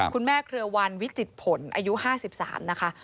คุณแม่เคลือวัณวิจิตผลอายุ๕๓นะคะ